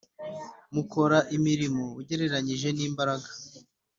gukora imirimo ugereranyije n’imbaraga